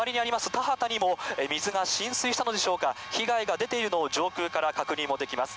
田畑にも水が浸水したのでしょうか、被害が出ているのを、上空から確認もできます。